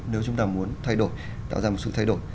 nếu chúng ta muốn thay đổi tạo ra một sự thay đổi